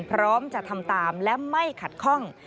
พร้อมจะทำตามและไม่ขัดข้อง